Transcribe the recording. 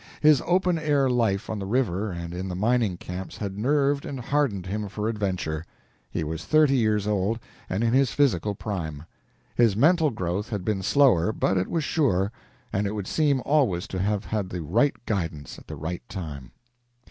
His open air life on the river and in the mining camps had nerved and hardened him for adventure. He was thirty years old and in his physical prime. His mental growth had been slower, but it was sure, and it would seem always to have had the right guidance at the right time.